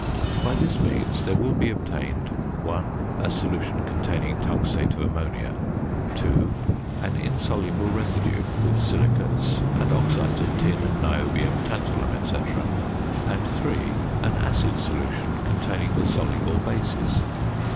By this means there will be obtained (1) a solution containing tungstate of ammonia; (2) an insoluble residue with silicates, and oxides of tin, niobium, tantalum, &c. and (3) an acid solution containing the soluble bases.